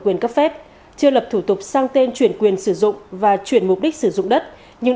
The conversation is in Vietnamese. quyền cấp phép chưa lập thủ tục sang tên chuyển quyền sử dụng và chuyển mục đích sử dụng đất nhưng